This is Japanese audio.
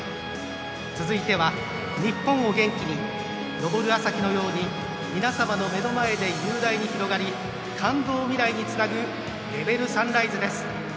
続いては、日本を元気に昇る朝日のように皆様の目の前で雄大に広がり感動を未来につなぐレベルサンライズです。